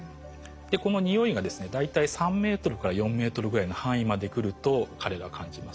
この匂いがですね大体３ｍから４ｍぐらいの範囲まで来ると彼らは感じます。